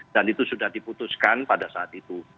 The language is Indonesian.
dan itu sudah diputuskan pada saat itu